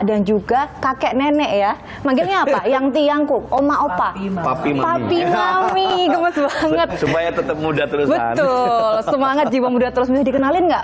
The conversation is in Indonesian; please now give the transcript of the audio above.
dari jauh mancatisa orang sederoh adenga